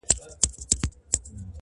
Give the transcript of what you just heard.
هر ناحق ته حق ویل دوی ته آسان وه -